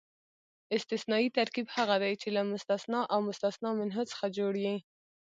استثنایي ترکیب هغه دئ، چي له مستثنی او مستثنی منه څخه جوړ يي.